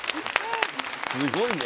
すごいね。